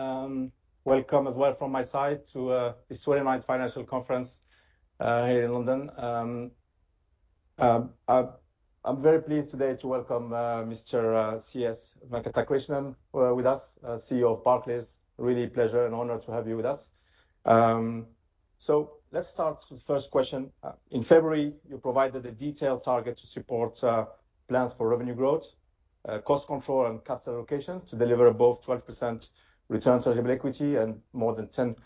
Everyone, welcome as well from my side to the 29th Financial Conference here in London. I'm very pleased today to welcome Mr. C.S. Venkatakrishnan with us, CEO of Barclays. Really a pleasure and honor to have you with us, so let's start with the first question. In February, you provided a detailed target to support plans for revenue growth, cost control, and capital allocation to deliver above 12% return on tangible equity and more than 10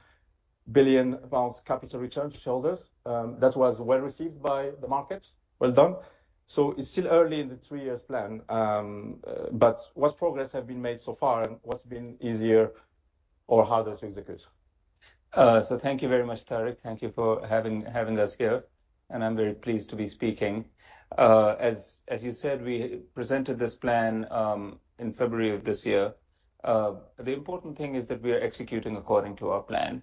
billion pounds capital return to shareholders. That was well received by the market. Well done, so it's still early in the three-year plan, but what progress have been made so far, and what's been easier or harder to execute? Thank you very much, Tariq. Thank you for having us here, and I'm very pleased to be speaking. As you said, we presented this plan in February of this year. The important thing is that we are executing according to our plan.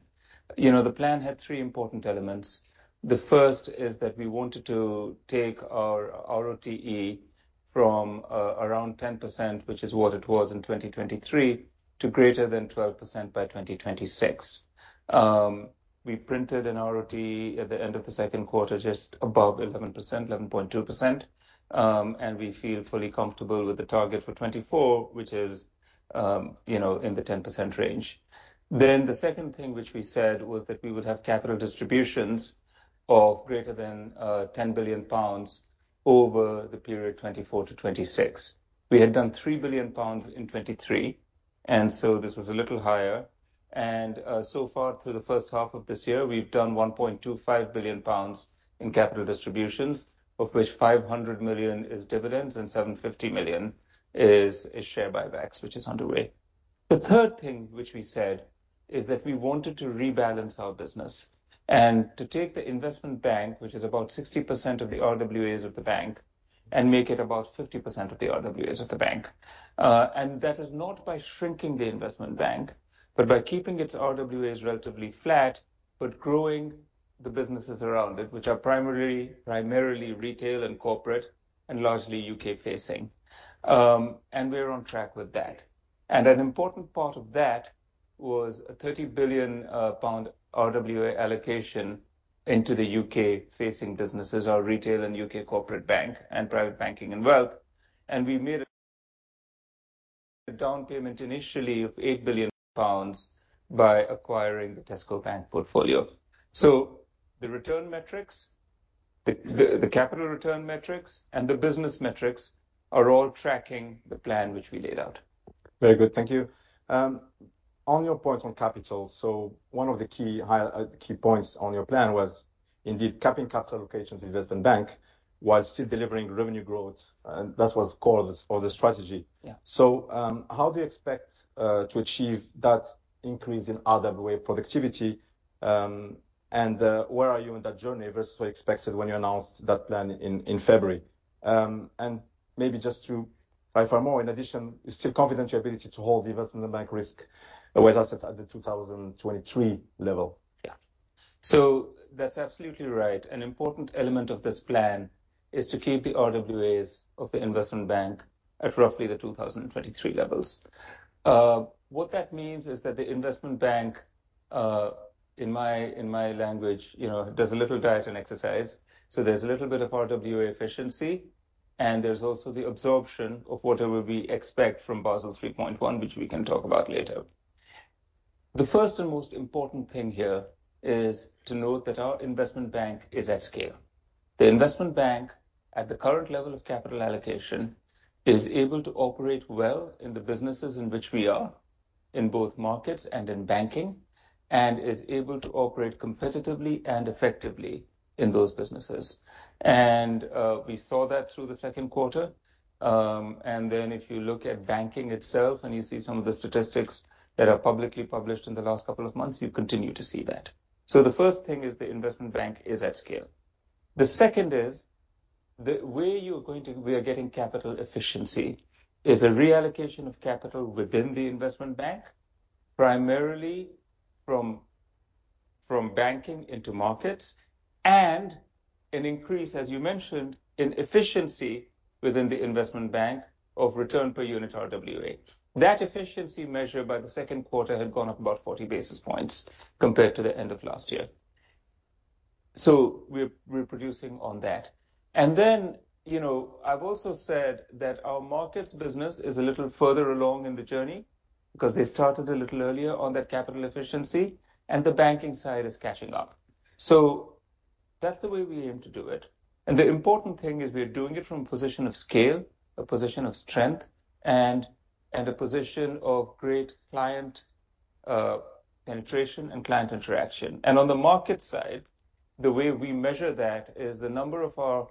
You know, the plan had three important elements. The first is that we wanted to take our ROTE from around 10%, which is what it was in 2023, to greater than 12% by 2026. We printed an ROTE at the end of the second quarter, just above 11%, 11.2%, and we feel fully comfortable with the target for 2024, which is, you know, in the 10% range. Then the second thing, which we said was that we would have capital distributions of greater than 10 billion pounds over the period 2024 to 2026. We had done 3 billion pounds in 2023, and so this was a little higher. So far, through the first half of this year, we've done 1.25 billion pounds in capital distributions, of which 500 million is dividends and 750 million is share buybacks, which is underway. The third thing which we said is that we wanted to rebalance our business and to take the investment bank, which is about 60% of the RWAs of the bank, and make it about 50% of the RWAs of the bank. And that is not by shrinking the investment bank, but by keeping its RWAs relatively flat, but growing the businesses around it, which are primarily retail and corporate, and largely UK facing. And we're on track with that. And an important part of that was a 30 billion pound RWA allocation into the UK-facing businesses, our retail and UK corporate bank and private banking and wealth. And we made a down payment initially of 8 billion pounds by acquiring the Tesco Bank portfolio. So the return metrics, the capital return metrics, and the business metrics are all tracking the plan which we laid out. Very good. Thank you. On your point on capital, so one of the key points on your plan was indeed capping capital allocation to investment bank while still delivering revenue growth, and that was core of this, for the strategy. Yeah. How do you expect to achieve that increase in RWA productivity? Where are you in that journey versus where you expected when you announced that plan in February? Maybe just to clarify more, in addition, you're still confident in your ability to hold the investment bank risk-weighted assets at the 2023 level? Yeah. So that's absolutely right. An important element of this plan is to keep the RWAs of the investment bank at roughly the 2023 levels. What that means is that the investment bank, in my, in my language, you know, does a little diet and exercise, so there's a little bit of RWA efficiency, and there's also the absorption of whatever we expect from Basel 3.1, which we can talk about later. The first and most important thing here is to note that our investment bank is at scale. The investment bank, at the current level of capital allocation, is able to operate well in the businesses in which we are, in both markets and in banking, and is able to operate competitively and effectively in those businesses. And we saw that through the second quarter. And then if you look at banking itself, and you see some of the statistics that are publicly published in the last couple of months, you continue to see that. So the first thing is the investment bank is at scale. The second is the way you're going to—we are getting capital efficiency is a reallocation of capital within the investment bank, primarily from, from banking into markets, and an increase, as you mentioned, in efficiency within the investment bank of return per unit RWA. That efficiency measure by the second quarter had gone up about 40 basis points compared to the end of last year. So we're, we're producing on that. And then, you know, I've also said that our markets business is a little further along in the journey because they started a little earlier on that capital efficiency, and the banking side is catching up. So that's the way we aim to do it. And the important thing is we are doing it from a position of scale, a position of strength, and a position of great client penetration and client interaction. And on the market side, the way we measure that is the number of our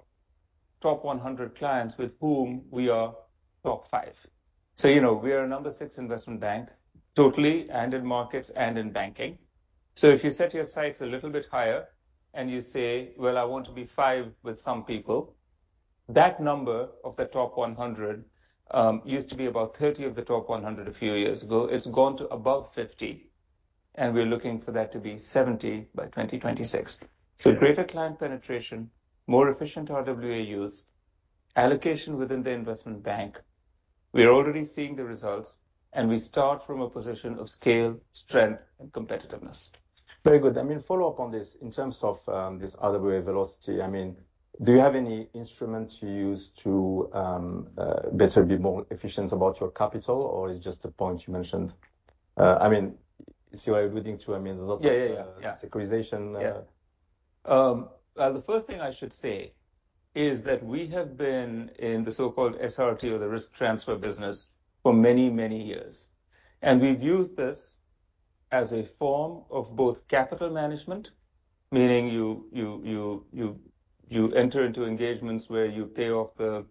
top 100 clients with whom we are top five. So, you know, we are a number 6 investment bank, totally, and in markets and in banking. So if you set your sights a little bit higher and you say, "Well, I want to be five with some people," that number of the top 100 used to be about 30 of the top 100 a few years ago. It's gone to above 50, and we're looking for that to be 70 by 2026. So greater client penetration, more efficient RWA use-... Allocation within the investment bank, we are already seeing the results, and we start from a position of scale, strength, and competitiveness. Very good. I mean, follow up on this, in terms of, this other way, velocity, I mean, do you have any instruments you use to, better be more efficient about your capital, or it's just a point you mentioned? I mean, you see what I'm alluding to, I mean, look- Yeah, yeah, yeah. -securitization, uh. Yeah. The first thing I should say is that we have been in the so-called SRT or the risk transfer business for many, many years, and we've used this as a form of both capital management, meaning you enter into engagements where you pay off the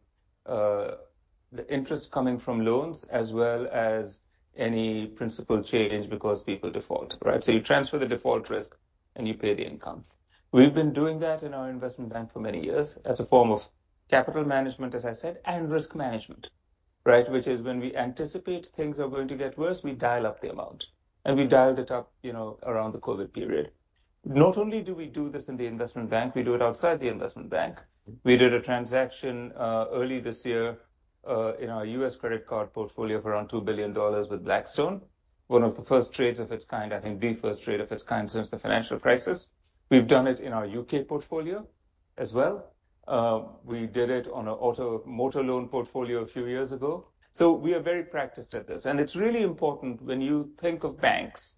interest coming from loans as well as any principal change because people default, right? So you transfer the default risk, and you pay the income. We've been doing that in our investment bank for many years as a form of capital management, as I said, and risk management, right? Which is when we anticipate things are going to get worse, we dial up the amount, and we dialed it up, you know, around the COVID period. Not only do we do this in the investment bank, we do it outside the investment bank. We did a transaction early this year in our U.S. credit card portfolio of around $2 billion with Blackstone, one of the first trades of its kind, I think the first trade of its kind since the financial crisis. We've done it in our U.K. portfolio as well. We did it on a motor loan portfolio a few years ago, so we are very practiced at this, and it's really important when you think of banks,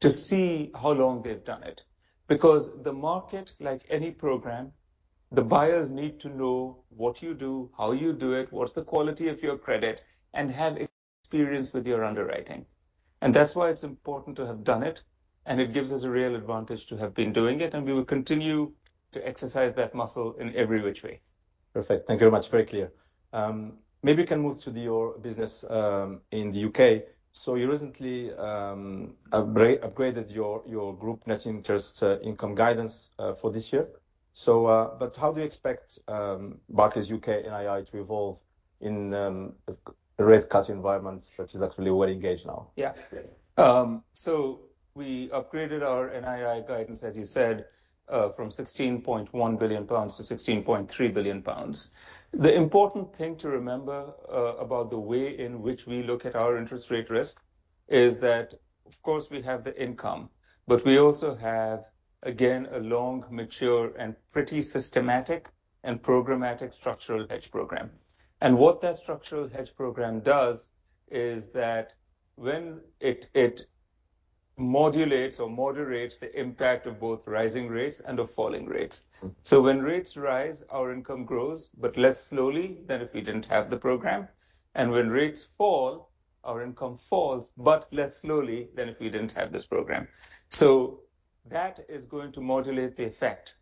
to see how long they've done it, because the market, like any program, the buyers need to know what you do, how you do it, what's the quality of your credit, and have experience with your underwriting. That's why it's important to have done it, and it gives us a real advantage to have been doing it, and we will continue to exercise that muscle in every which way. Perfect. Thank you very much. Very clear. Maybe you can move to your business in the UK. So you recently upgraded your group net interest income guidance for this year. So but how do you expect Barclays UK NII to evolve in a rate cut environment, which is actually well engaged now? Yeah. So we upgraded our NII guidance, as you said, from 16.1 billion pounds to 16.3 billion pounds. The important thing to remember, about the way in which we look at our interest rate risk is that, of course, we have the income, but we also have, again, a long, mature, and pretty systematic and programmatic structural hedge program. And what that structural hedge program does is that when it modulates or moderates the impact of both rising rates and of falling rates. Mm-hmm. So when rates rise, our income grows, but less slowly than if we didn't have the program. And when rates fall, our income falls, but less slowly than if we didn't have this program. So that is going to modulate the effect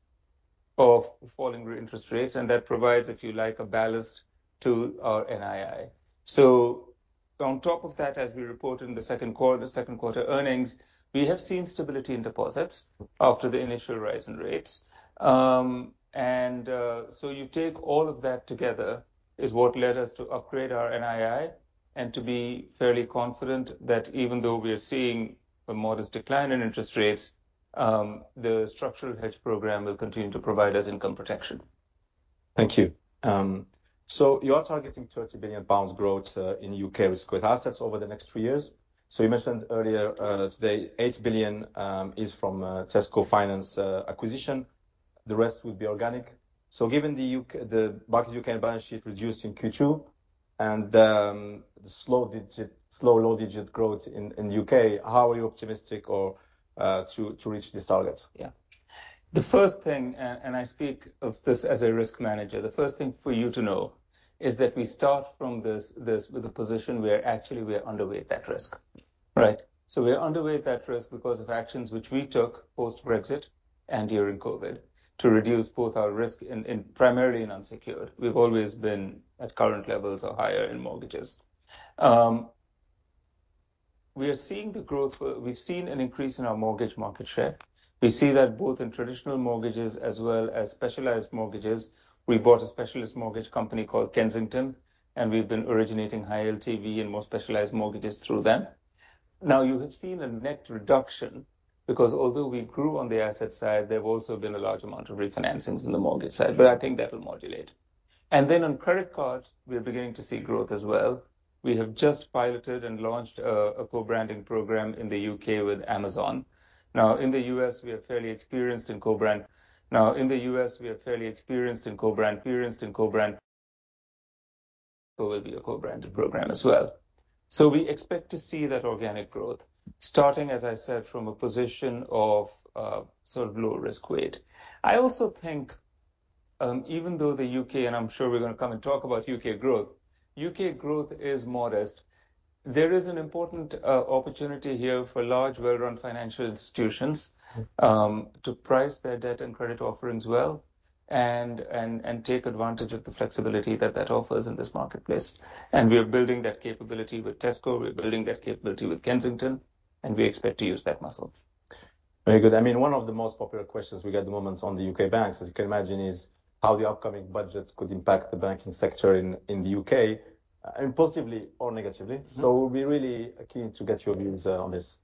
of falling interest rates, and that provides, if you like, a ballast to our NII. So on top of that, as we reported in the second quarter earnings, we have seen stability in deposits after the initial rise in rates. So you take all of that together is what led us to upgrade our NII and to be fairly confident that even though we are seeing a modest decline in interest rates, the structural hedge program will continue to provide us income protection. Thank you. You are targeting 30 billion pounds growth in UK risk-weighted assets over the next three years. You mentioned earlier today, 8 billion is from Tesco Bank acquisition. The rest will be organic. Given the UK, the Barclays UK balance sheet reduced in Q2 and the slow, low single-digit growth in UK, how are you optimistic to reach this target? Yeah. The first thing, and I speak of this as a risk manager, the first thing for you to know is that we start from this with a position where actually we are underweight that risk, right? So we are underweight that risk because of actions which we took post-Brexit and during COVID, to reduce both our risk primarily in unsecured. We've always been at current levels or higher in mortgages. We are seeing the growth. We've seen an increase in our mortgage market share. We see that both in traditional mortgages as well as specialized mortgages. We bought a specialist mortgage company called Kensington, and we've been originating high LTV and more specialized mortgages through them. Now, you have seen a net reduction because although we grew on the asset side, there have also been a large amount of refinancings in the mortgage side, but I think that will modulate. Then on credit cards, we are beginning to see growth as well. We have just piloted and launched a co-branding program in the U.K. with Amazon. Now, in the U.S., we are fairly experienced in co-brand, so it will be a co-branded program as well. So we expect to see that organic growth starting, as I said, from a position of sort of lower risk weight. I also think even though the U.K., and I'm sure we're gonna come and talk about U.K. growth. U.K. growth is modest. There is an important opportunity here for large, well-run financial institutions to price their debt and credit offerings well and take advantage of the flexibility that that offers in this marketplace, and we are building that capability with Tesco. We're building that capability with Kensington, and we expect to use that muscle. Very good. I mean, one of the most popular questions we get at the moment on the UK banks, as you can imagine, is how the upcoming budget could impact the banking sector in the UK, and positively or negatively. Mm-hmm. So we're really keen to get your views on this.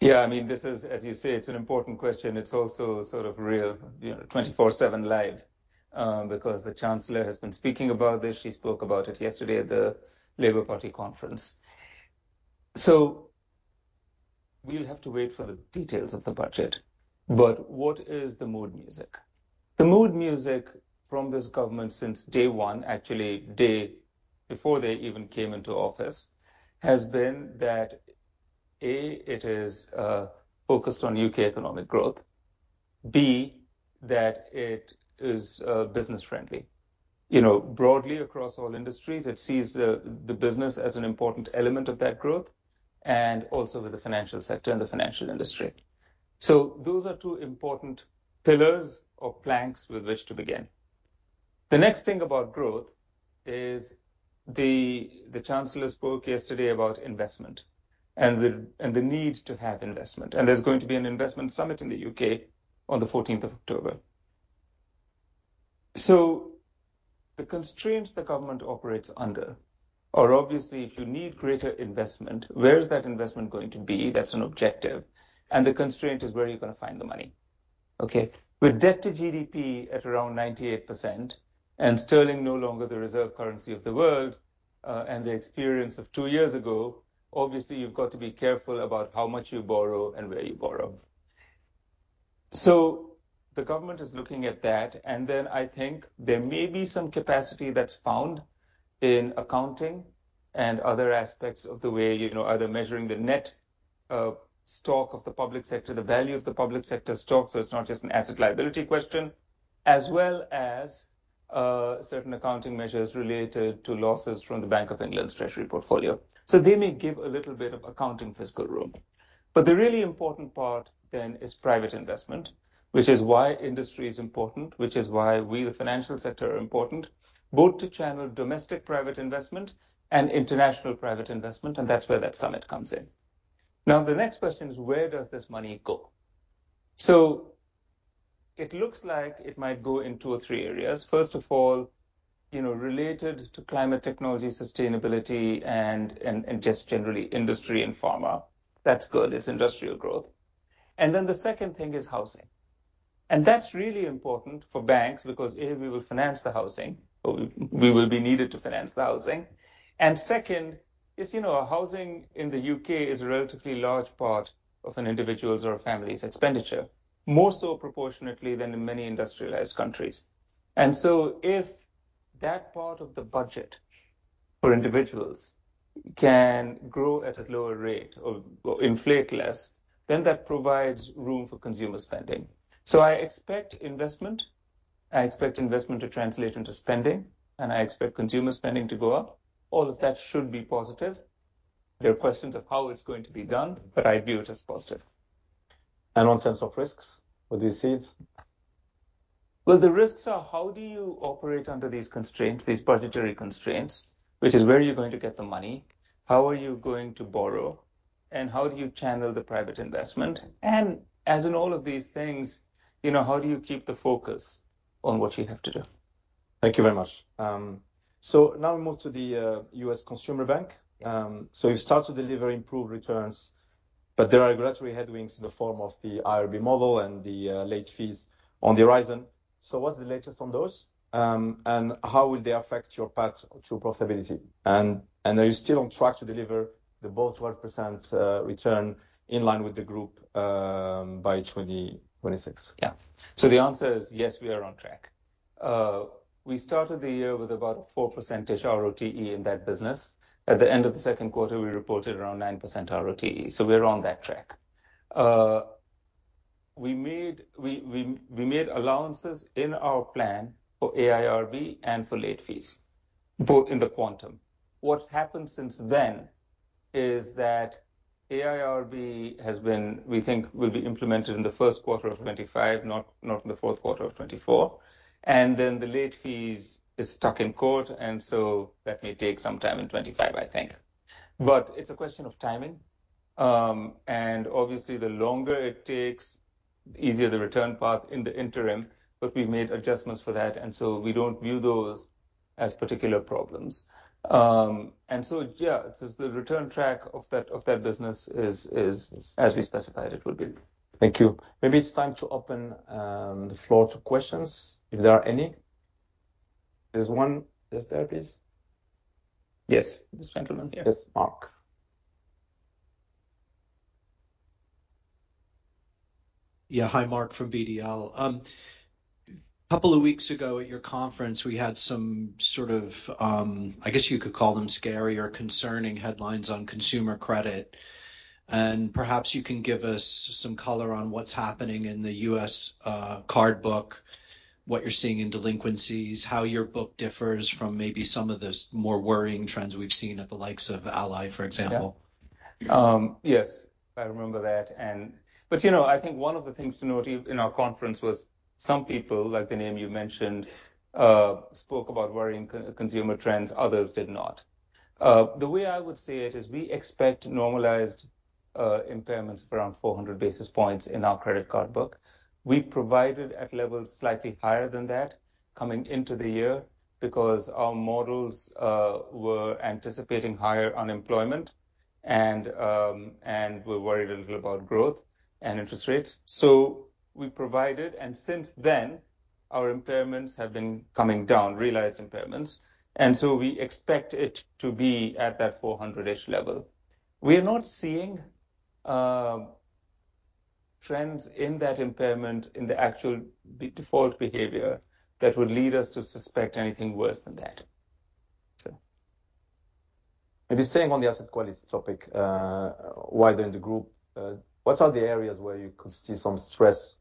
...Yeah, I mean, this is, as you say, it's an important question. It's also sort of real, you know, twenty-four/seven live, because the Chancellor has been speaking about this. She spoke about it yesterday at the Labour Party conference. So we'll have to wait for the details of the budget, but what is the mood music? The mood music from this government since day one, actually, day before they even came into office, has been that, A, it is focused on UK economic growth, B, that it is business-friendly. You know, broadly across all industries, it sees the business as an important element of that growth and also with the financial sector and the financial industry. So those are two important pillars or planks with which to begin. The next thing about growth is the Chancellor spoke yesterday about investment and the need to have investment, and there's going to be an investment summit in the UK on the fourteenth of October, so the constraints the government operates under are obviously, if you need greater investment, where is that investment going to be? That's an objective, and the constraint is where are you gonna find the money, okay? With debt to GDP at around 98% and sterling no longer the reserve currency of the world, and the experience of two years ago, obviously, you've got to be careful about how much you borrow and where you borrow. So the government is looking at that, and then I think there may be some capacity that's found in accounting and other aspects of the way, you know, either measuring the net stock of the public sector, the value of the public sector stock, so it's not just an asset liability question, as well as certain accounting measures related to losses from the Bank of England's treasury portfolio. So they may give a little bit of accounting fiscal room. But the really important part then is private investment, which is why industry is important, which is why we, the financial sector, are important, both to channel domestic private investment and international private investment, and that's where that summit comes in. Now, the next question is: where does this money go? So it looks like it might go in two or three areas. First of all, you know, related to climate technology, sustainability, and just generally industry and pharma. That's good. It's industrial growth, and then the second thing is housing, and that's really important for banks because, A, we will finance the housing, or we will be needed to finance the housing. And second is, you know, housing in the UK is a relatively large part of an individual's or a family's expenditure, more so proportionately than in many industrialized countries. And so if that part of the budget for individuals can grow at a lower rate or inflate less, then that provides room for consumer spending. So I expect investment to translate into spending, and I expect consumer spending to go up. All of that should be positive. There are questions of how it's going to be done, but I view it as positive. On sense of risks, what do you see? The risks are: how do you operate under these constraints, these budgetary constraints, which is where are you going to get the money? How are you going to borrow, and how do you channel the private investment? And as in all of these things, you know, how do you keep the focus on what you have to do? Thank you very much. So now we move to the US Consumer Bank. So you've started to deliver improved returns, but there are regulatory headwinds in the form of the IRB model and the late fees on the horizon. So what's the latest on those? And how will they affect your path to profitability? And are you still on track to deliver the both 12% return in line with the group by 2026? Yeah. So the answer is yes, we are on track. We started the year with about a 4% ROTE in that business. At the end of the second quarter, we reported around 9% ROTE, so we're on that track. We made allowances in our plan for AIRB and for late fees, both in the quantum. What's happened since then is that AIRB has been, we think, will be implemented in the first quarter of 2025, not in the fourth quarter of 2024. And then the late fees is stuck in court, and so that may take some time in 2025, I think. But it's a question of timing. And obviously, the longer it takes, the easier the return path in the interim, but we've made adjustments for that, and so we don't view those as particular problems. And so, yeah, the return track of that business is as we specified it would be. Thank you. Maybe it's time to open the floor to questions, if there are any. There's one. Is there, please? Yes, this gentleman here. Yes, Mark. Yeah. Hi, Mark from BDL. A couple of weeks ago at your conference, we had some sort of, I guess you could call them scary or concerning headlines on consumer credit, and perhaps you can give us some color on what's happening in the U.S., card book, what you're seeing in delinquencies, how your book differs from maybe some of the more worrying trends we've seen at the likes of Ally, for example. Yes, I remember that, and... But, you know, I think one of the things to note in our conference was some people, like the name you mentioned, spoke about worrying consumer trends, others did not. The way I would say it is we expect normalized impairments of around 400 basis points in our credit card book. We provided at levels slightly higher than that coming into the year because our models were anticipating higher unemployment, and we're worried a little about growth and interest rates. So we provided, and since then our impairments have been coming down, realized impairments, and so we expect it to be at that 400-ish level. We are not seeing trends in that impairment in the actual default behavior that would lead us to suspect anything worse than that. So. If you're staying on the asset quality topic, while they're in the group, what are the areas where you could see some stress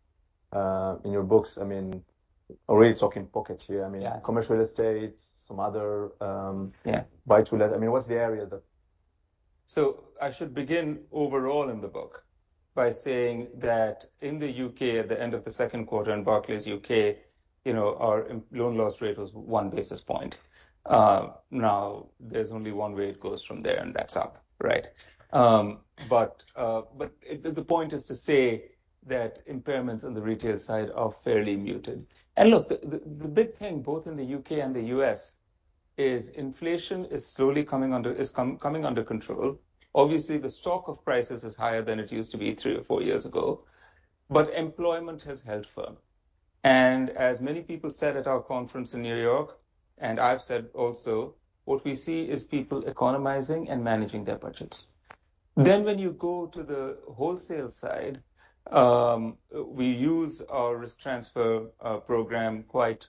in your books? I mean, already talking pockets here. Yeah. I mean, commercial real estate, some other, Yeah Buy-to-let. I mean, what's the area that? So I should begin overall in the book by saying that in the U.K., at the end of the second quarter, in Barclays UK, you know, our loan loss rate was one basis point. Now, there's only one way it goes from there, and that's up, right? But the big thing, both in the U.K. and the U.S., is inflation is slowly coming under control. Obviously, the stock of prices is higher than it used to be three or four years ago, but employment has held firm. And as many people said at our conference in New York, and I've said also, what we see is people economizing and managing their budgets. Then when you go to the wholesale side, we use our risk transfer program quite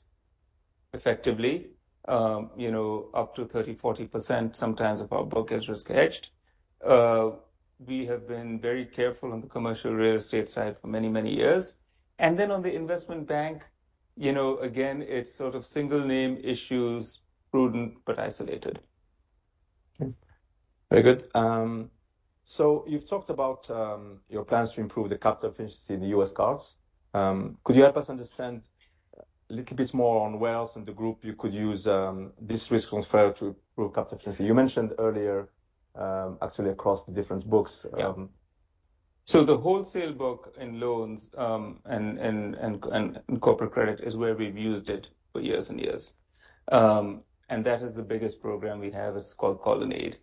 effectively, you know, up to 30-40%, sometimes of our book is risk hedged. We have been very careful on the commercial real estate side for many, many years. And then on the investment bank, you know, again, it's sort of single name issues, prudent but isolated. Okay, very good. So you've talked about your plans to improve the capital efficiency in the US cards. Could you help us understand a little bit more on where else in the group you could use this risk transfer to improve capital efficiency? You mentioned earlier, actually across the different books. The wholesale book in loans and corporate credit is where we've used it for years and years. That is the biggest program we have, it's called Colonnade.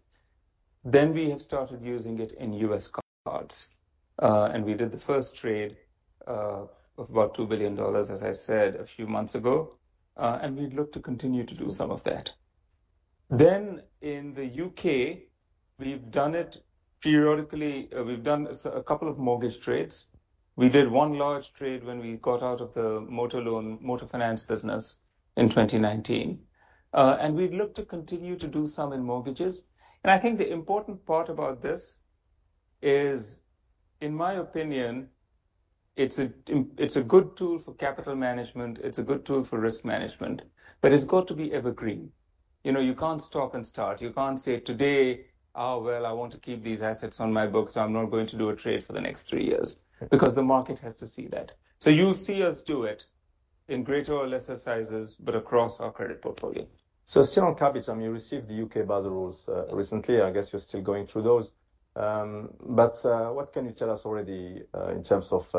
We have started using it in U.S. cards, and we did the first trade of about $2 billion, as I said a few months ago. We'd look to continue to do some of that. In the UK, we've done it periodically, we've done a couple of mortgage trades. We did one large trade when we got out of the motor loan, motor finance business in 2019. We'd look to continue to do some in mortgages. I think the important part about this is, in my opinion, it's a, it's a good tool for capital management, it's a good tool for risk management, but it's got to be evergreen. You know, you can't stop and start. You can't say today, "Oh, well, I want to keep these assets on my book, so I'm not going to do a trade for the next three years," because the market has to see that. So you'll see us do it in greater or lesser sizes, but across our credit portfolio. Still on capital, you received the U.K. Basel rules recently. I guess you're still going through those. What can you tell us already in terms of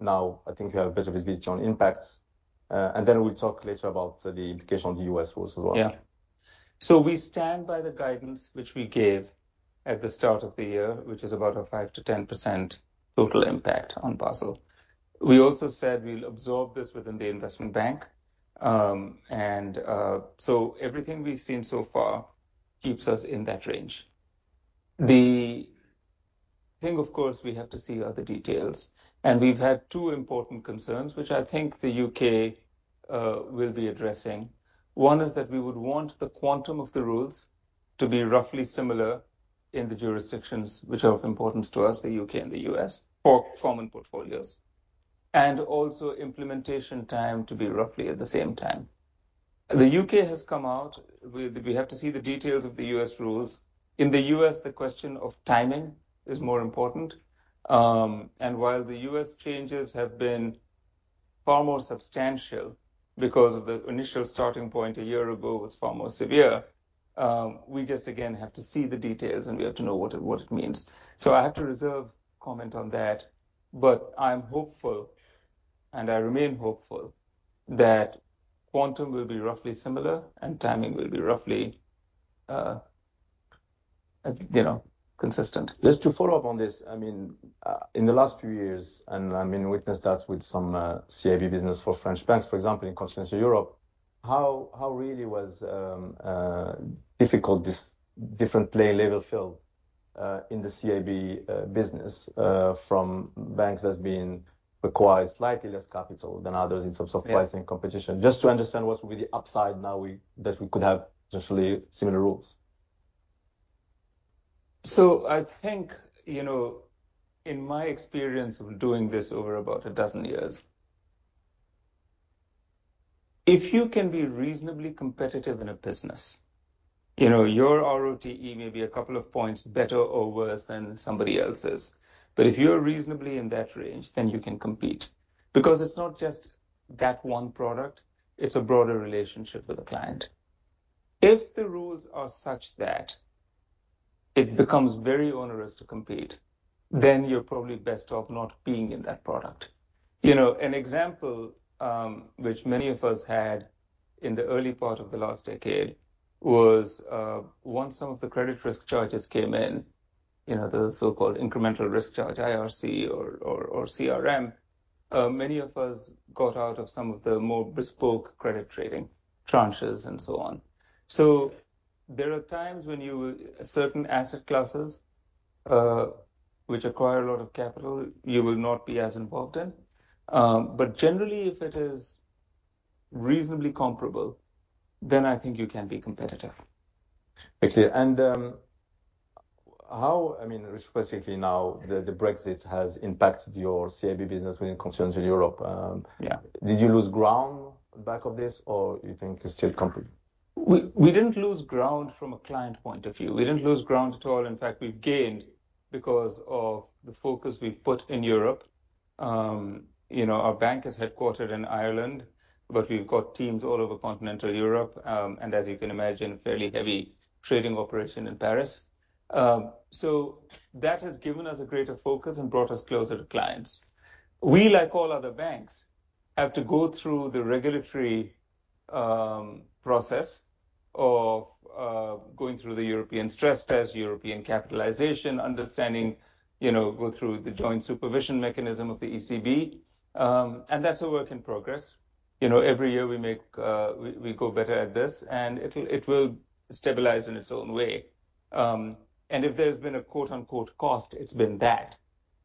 now, I think you have better visibility on impacts? Then we'll talk later about the implication on the U.S. rules as well. Yeah. So we stand by the guidance which we gave at the start of the year, which is about a 5-10% total impact on Basel. We also said we'll absorb this within the investment bank. And so everything we've seen so far keeps us in that range. The thing, of course, we have to see are the details, and we've had two important concerns, which I think the U.K. will be addressing. One is that we would want the quantum of the rules to be roughly similar in the jurisdictions which are of importance to us, the U.K. and the U.S., for performing portfolios, and also implementation time to be roughly at the same time. The U.K. has come out, we have to see the details of the U.S. rules. In the U.S., the question of timing is more important. And while the US changes have been far more substantial because of the initial starting point a year ago was far more severe, we just again have to see the details, and we have to know what it, what it means. So I have to reserve comment on that, but I'm hopeful, and I remain hopeful, that quantum will be roughly similar and timing will be roughly, you know, consistent. Just to follow up on this, I mean, in the last few years, and I've witnessed that with some CIB business for French banks, for example, in continental Europe, how really was difficult this different playing level field in the CIB business from banks that's been required slightly less capital than others in terms of pricing competition? Just to understand what would be the upside now that we could have generally similar rules. So I think, you know, in my experience of doing this over about a dozen years, if you can be reasonably competitive in a business, you know, your ROTE may be a couple of points better or worse than somebody else's, but if you're reasonably in that range, then you can compete. Because it's not just that one product, it's a broader relationship with the client. If the rules are such that it becomes very onerous to compete, then you're probably best off not being in that product. You know, an example, which many of us had in the early part of the last decade was, once some of the credit risk charges came in, you know, the so-called incremental risk charge, IRC or CRM, many of us got out of some of the more bespoke credit trading tranches and so on. So there are times when you, certain asset classes, which acquire a lot of capital, you will not be as involved in. But generally, if it is reasonably comparable, then I think you can be competitive. Okay. And, how, I mean, specifically now, the Brexit has impacted your CIB business when it concerns in Europe? Yeah. Did you lose ground because of this, or do you think you're still competitive? We didn't lose ground from a client point of view. We didn't lose ground at all. In fact, we've gained because of the focus we've put in Europe. You know, our bank is headquartered in Ireland, but we've got teams all over continental Europe, and as you can imagine, a fairly heavy trading operation in Paris. So that has given us a greater focus and brought us closer to clients. We, like all other banks, have to go through the regulatory process of going through the European stress test, European capitalization, understanding, you know, go through the joint supervision mechanism of the ECB. And that's a work in progress. You know, every year we make, we grow better at this, and it will stabilize in its own way. And if there's been a quote-unquote cost, it's been that.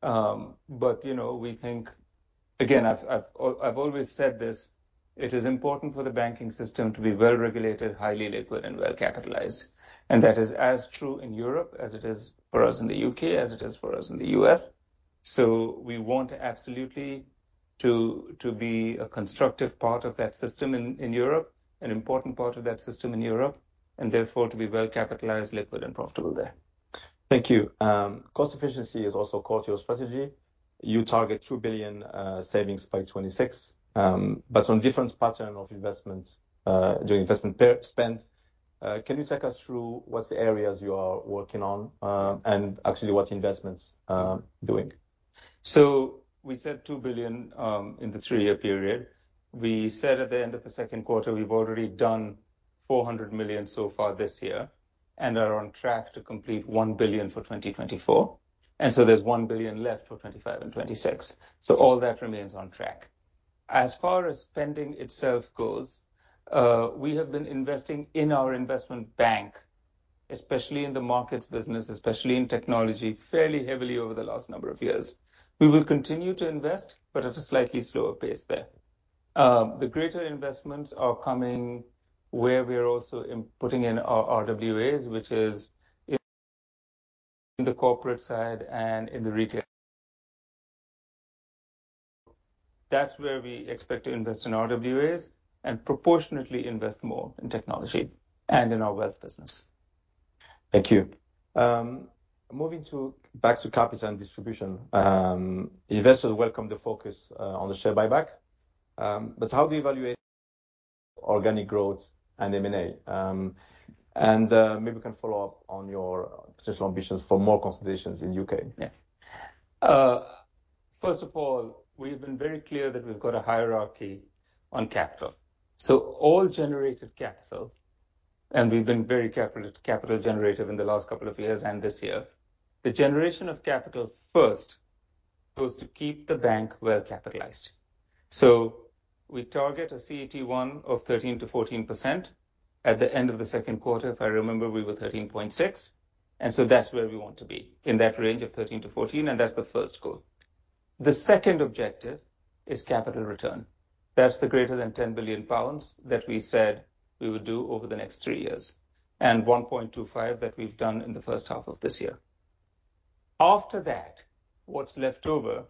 But you know, we think, again, I've always said this: it is important for the banking system to be well-regulated, highly liquid, and well-capitalized, and that is as true in Europe as it is for us in the U.K., as it is for us in the U.S. So we want absolutely to be a constructive part of that system in Europe, an important part of that system in Europe, and therefore to be well-capitalized, liquid, and profitable there. Thank you. Cost efficiency is also core to your strategy. You target 2 billion savings by 2026. But on different pattern of investment during investment per spend, can you take us through what's the areas you are working on, and actually what investments doing? So we said 2 billion in the three-year period. We said at the end of the second quarter, we've already done 400 million so far this year and are on track to complete 1 billion for 2024, and so there's 1 billion left for 2025 and 2026. So all that remains on track. As far as spending itself goes, we have been investing in our investment bank, especially in the markets business, especially in technology, fairly heavily over the last number of years. We will continue to invest, but at a slightly slower pace there. The greater investments are coming where we are also putting in our RWAs, which is in the corporate side and in the retail. That's where we expect to invest in RWAs and proportionately invest more in technology and in our wealth business. Thank you. Moving back to capital and distribution, investors welcome the focus on the share buyback. But how do you evaluate organic growth and M&A, and maybe we can follow up on your potential ambitions for more consolidations in the U.K.? Yeah. First of all, we've been very clear that we've got a hierarchy on capital. So all generated capital, and we've been very capital generative in the last couple of years and this year. The generation of capital first goes to keep the bank well capitalized. So we target a CET1 of 13%-14%. At the end of the saecond quarter, if I remember, we were 13.6%, and so that's where we want to be, in that range of 13%-14%, and that's the first goal. The second objective is capital return. That's the greater than 10 billion pounds that we said we would do over the next three years, and 1.25 billion that we've done in the first half of this year. After that, what's left over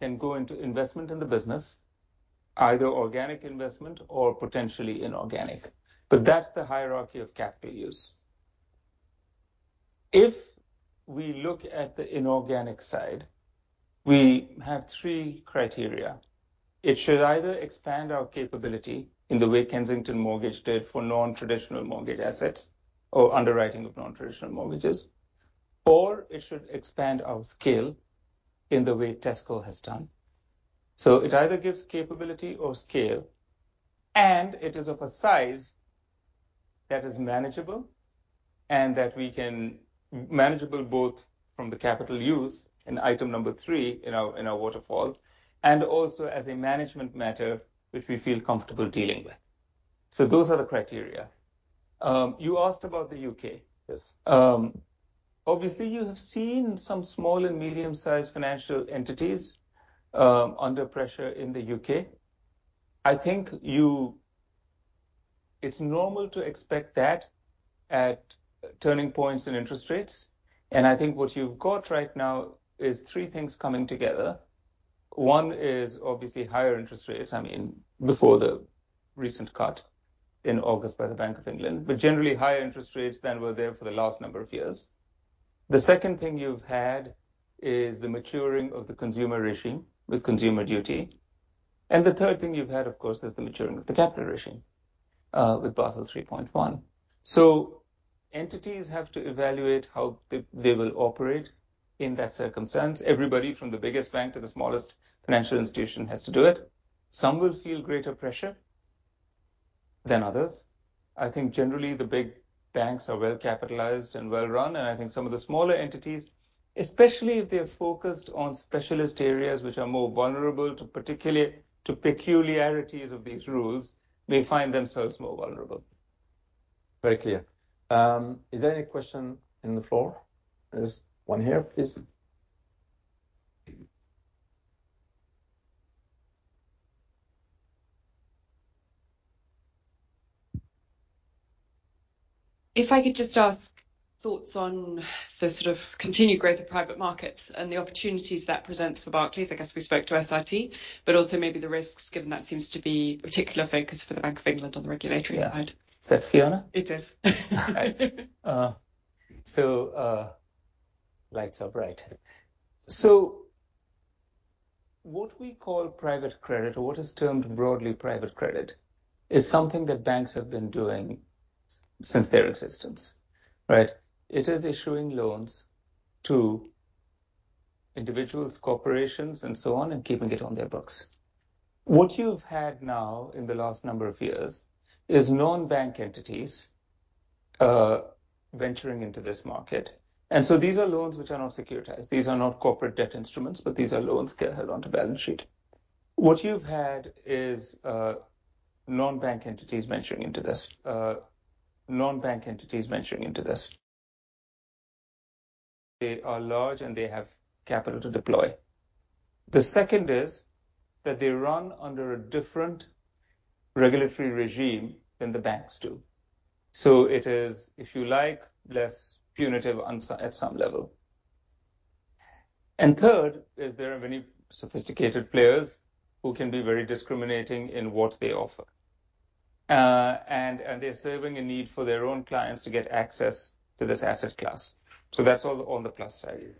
can go into investment in the business, either organic investment or potentially inorganic, but that's the hierarchy of capital use. If we look at the inorganic side, we have three criteria. It should either expand our capability in the way Kensington Mortgages did for non-traditional mortgage assets or underwriting of non-traditional mortgages, or it should expand our scale in the way Tesco has done. So it either gives capability or scale, and it is of a size that is manageable, and that we can manage both from the capital use in item number three in our waterfall, and also as a management matter, which we feel comfortable dealing with. So those are the criteria. You asked about the UK. Yes. Obviously, you have seen some small and medium-sized financial entities under pressure in the U.K. I think it's normal to expect that at turning points in interest rates, and I think what you've got right now is three things coming together. One is obviously higher interest rates, I mean, before the recent cut in August by the Bank of England, but generally higher interest rates than were there for the last number of years. The second thing you've had is the maturing of the consumer regime with Consumer Duty. And the third thing you've had, of course, is the maturing of the capital regime with Basel 3.1. So entities have to evaluate how they will operate in that circumstance. Everybody from the biggest bank to the smallest financial institution has to do it. Some will feel greater pressure than others. I think generally the big banks are well capitalized and well run, and I think some of the smaller entities, especially if they're focused on specialist areas which are more vulnerable to particularly, to peculiarities of these rules, may find themselves more vulnerable. Very clear. Is there any question in the floor? There's one here, please. If I could just ask thoughts on the sort of continued growth of private markets and the opportunities that presents for Barclays? I guess we spoke to SRT, but also maybe the risks, given that seems to be a particular focus for the Bank of England on the regulatory side. Is that Fiona? It is. So, lights are bright. So what we call private credit or what is termed broadly private credit, is something that banks have been doing since their existence, right? It is issuing loans to individuals, corporations, and so on, and keeping it on their books. What you've had now in the last number of years is non-bank entities venturing into this market. And so these are loans which are not securitized. These are not corporate debt instruments, but these are loans held onto balance sheet. They are large, and they have capital to deploy. The second is that they run under a different regulatory regime than the banks do. So it is, if you like, less punitive on some, at some level. Third is there are many sophisticated players who can be very discriminating in what they offer, and they're serving a need for their own clients to get access to this asset class, so that's all on the plus side.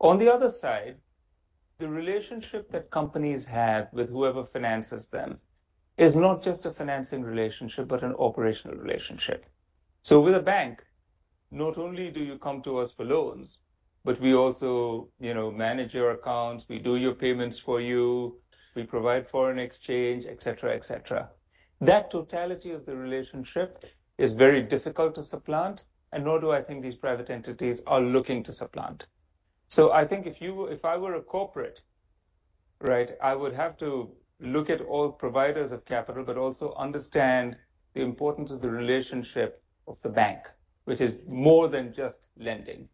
On the other side, the relationship that companies have with whoever finances them is not just a financing relationship, but an operational relationship, so with a bank, not only do you come to us for loans, but we also, you know, manage your accounts, we do your payments for you, we provide foreign exchange, et cetera, et cetera. That totality of the relationship is very difficult to supplant, and nor do I think these private entities are looking to supplant. So I think if you, if I were a corporate, right, I would have to look at all providers of capital, but also understand the importance of the relationship of the bank, which is more than just lending.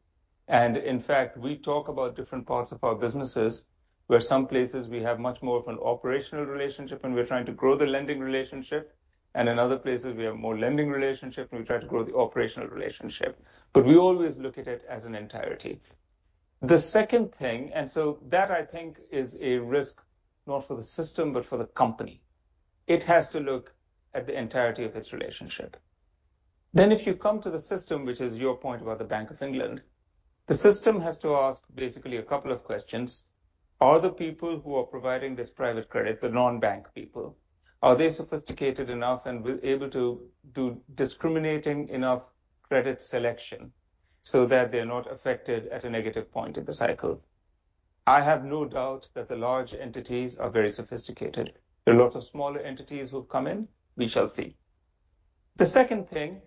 And in fact, we talk about different parts of our businesses, where some places we have much more of an operational relationship and we're trying to grow the lending relationship, and in other places we have more lending relationship and we try to grow the operational relationship. But we always look at it as an entirety. The second thing, and so that I think is a risk not for the system, but for the company. It has to look at the entirety of its relationship. Then if you come to the system, which is your point about the Bank of England, the system has to ask basically a couple of questions: Are the people who are providing this private credit, the non-bank people, are they sophisticated enough and will able to do discriminating enough credit selection so that they're not affected at a negative point in the cycle? I have no doubt that the large entities are very sophisticated. There are lots of smaller entities who have come in, we shall see. The second thing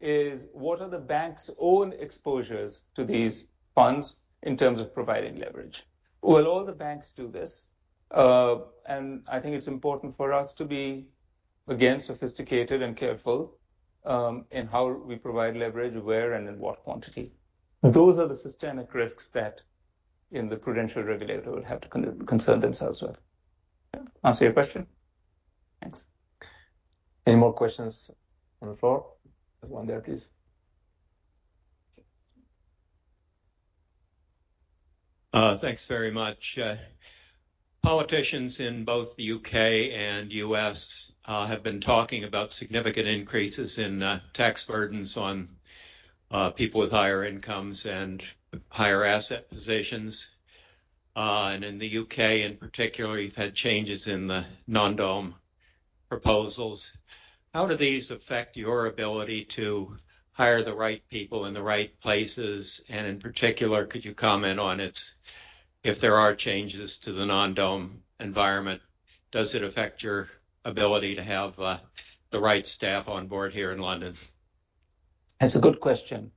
is, what are the bank's own exposures to these funds in terms of providing leverage? Well, all the banks do this, and I think it's important for us to be, again, sophisticated and careful, in how we provide leverage, where and in what quantity. Those are the systemic risks that the prudential regulator would have to concern themselves with. Answer your question? Thanks. Any more questions on the floor? There's one there, please. Thanks very much. Politicians in both the U.K. and U.S. have been talking about significant increases in tax burdens on people with higher incomes and higher asset positions. And in the U.K. in particular, you've had changes in the non-dom proposals. How do these affect your ability to hire the right people in the right places? And in particular, could you comment on its... If there are changes to the non-dom environment, does it affect your ability to have the right staff on board here in London? That's a good question.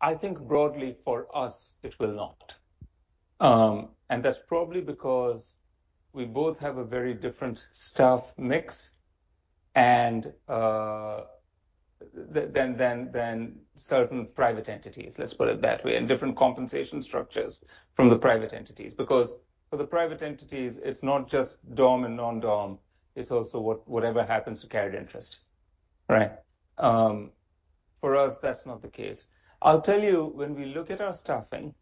I think broadly for us, it will not. And that's probably because we both have a very different staff mix and than certain private entities, let's put it that way, and different compensation structures from the private entities. Because for the private entities, it's not just dom and non-dom, it's also whatever happens to carried interest, right? For us, that's not the case. I'll tell you, when we look at our staffing,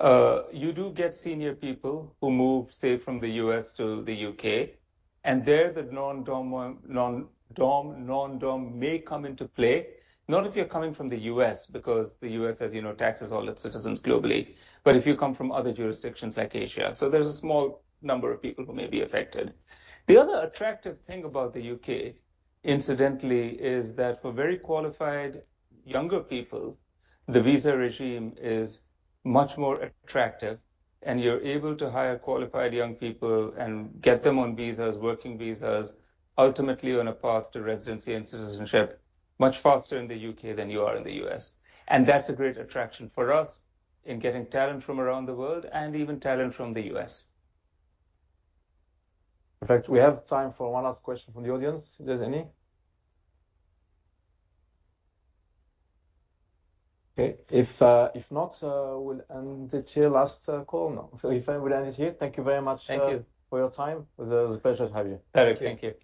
you do get senior people who move, say, from the U.S. to the U.K., and there the non-dom may come into play. Not if you're coming from the U.S., because the U.S., as you know, taxes all its citizens globally, but if you come from other jurisdictions like Asia. So there's a small number of people who may be affected. The other attractive thing about the U.K., incidentally, is that for very qualified younger people, the visa regime is much more attractive, and you're able to hire qualified young people and get them on visas, working visas, ultimately on a path to residency and citizenship, much faster in the U.K. than you are in the U.S., and that's a great attraction for us in getting talent from around the world and even talent from the U.S. In fact, we have time for one last question from the audience, if there's any. Okay, if not, we'll end it here, last call. No. If everybody end it here. Thank you very much. Thank you. For your time. It was a pleasure to have you. Perfect. Thank you.